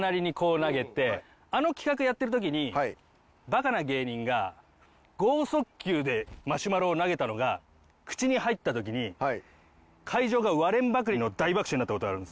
あの企画やってる時にバカな芸人が豪速球でマシュマロを投げたのが口に入った時に会場が割れんばかりの大爆笑になった事があるんですよ。